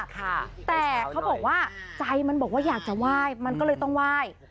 แต่เขาบอกว่าใจมันบอกว่าอยากจะไหว้มันก็เลยต้องไหว้